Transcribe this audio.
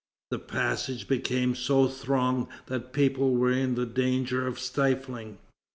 The passage became so thronged that people were in danger of stifling.